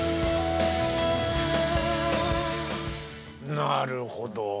なるほど。